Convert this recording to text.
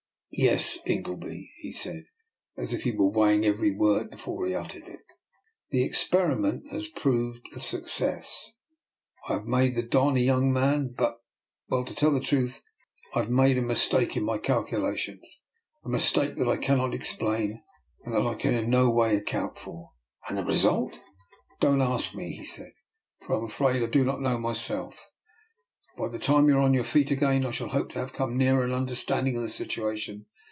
" Yes, Ingleby," he said, as if he were weighing every word before he uttered it, " the experiment has proved a success. I 26o DR. NIKOLA'S EXPERIMENT. have made the Don a young man, but — ^well, to tell the truth, I have made a mistake in my calculations, a mistake that I cannot explain and that I can in no way account for." "And the result?" " Don't ask me," he said, " for I am afraid I do not know myself. By the time you are on your feet again I shall hope to have come nearer an understanding of the situation.